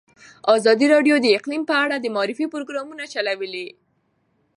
ازادي راډیو د اقلیم په اړه د معارفې پروګرامونه چلولي.